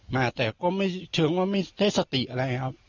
มาแต่ก็เฉิงว่าไม่เทศติอะไรครับ